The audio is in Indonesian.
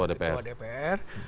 wakil depok dpr